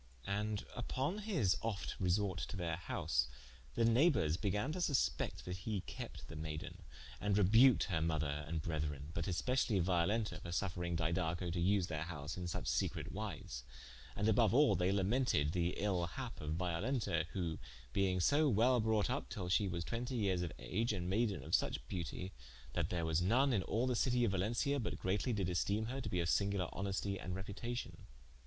And vpon his ofte resorte to their house, the neighbours began to suspect that he kept the mayden, and rebuked her mother and brethren, but specially Violenta, for suffering Didaco to vse their house in suche secrete wise: and aboue al they lamented the ill happe of Violenta, who being so wel brought vp till she was twentie yeares of age, and maiden of such beautie, that there was none in all the citie of Valencia but greatly did esteme her to be of singuler honestie and reputation.